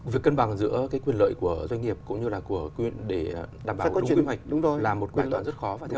việc cân bằng giữa quyền lợi của doanh nghiệp cũng như là của quyền để đảm bảo đúng quy hoạch